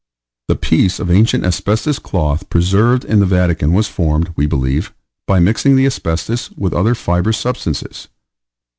The piece of ancient asbestos cloth preserved in the Vatican was formed, we believe, by mixing the asbestos with other fibrous substances; but M.